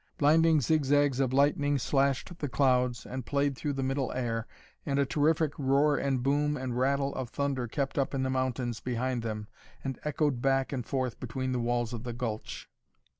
Blinding zigzags of lightning slashed the clouds and played through the middle air, and a terrific roar and boom and rattle of thunder kept up in the mountains behind them and echoed back and forth between the walls of the gulch.